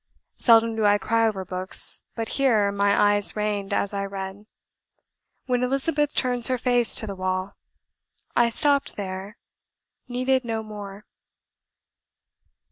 Seldom do I cry over books; but here, my eyes rained as I read. When Elizabeth turns her face to the wall I stopped there needed no more.